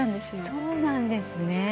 そうなんですね。